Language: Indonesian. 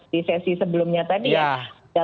di sesi sebelumnya tadi ya